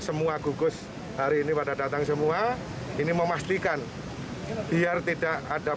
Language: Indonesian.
semua gugus hari ini pada datang semua ini memastikan biar tidak ada